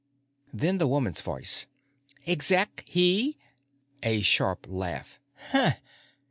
Then a woman's voice. "Exec, he?" A sharp laugh.